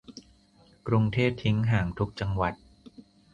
กรุงเทพทิ้งห่างทุกจังหวัด